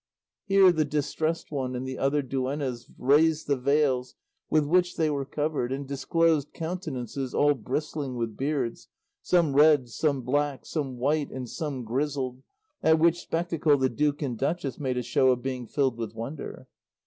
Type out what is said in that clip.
Here the Distressed One and the other duennas raised the veils with which they were covered, and disclosed countenances all bristling with beards, some red, some black, some white, and some grizzled, at which spectacle the duke and duchess made a show of being filled with wonder.